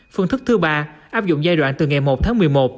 phương thức thứ ba áp dụng giai đoạn từ ngày một tháng một mươi một